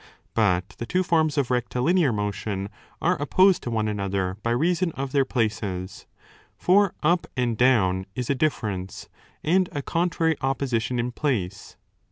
But the two forms of rectilinear motion are opposed to one another by reason of their places; for up and down is a difference 5 and a contrary opposition in place.